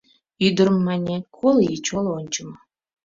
— Ӱдырым, — мане, — коло ий чоло ончымо.